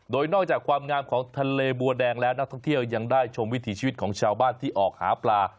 โดยนอกจากความงามของทะเลบัวแดงแล้วนักท่องเที่ยวยังได้ชมวิถีชีวิตของชาวบ้านที่ออกหาปลา